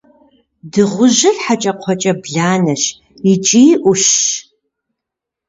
Дыгъужьыр – хьэкӏэкхъуэкӏэ бланэщ икӏи ӏущщ.